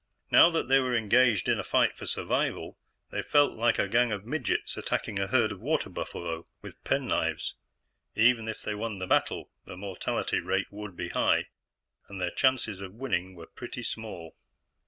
Now that they were engaged in a fight for survival, they felt like a gang of midgets attacking a herd of water buffalo with penknives. Even if they won the battle, the mortality rate would be high, and their chances of winning were pretty small.